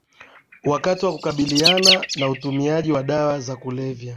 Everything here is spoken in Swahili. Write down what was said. Wakati anakabiliana na utumiaji wa dawa za kulevya